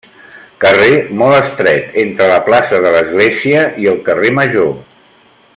Carrer molt estret, entre la plaça de l'església i el carrer major.